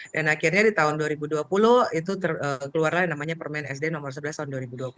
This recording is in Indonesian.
dan akhirnya di tahun dua ribu dua puluh itu terkeluarlah yang namanya permain sd nomor sebelas tahun dua ribu dua puluh